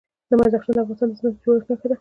بدخشان د افغانستان د ځمکې د جوړښت نښه ده.